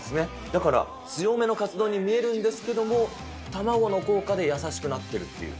だから強めのカツ丼に見えるんですけれども、卵の効果で優しくなってるっていう。